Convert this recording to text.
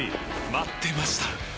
待ってました！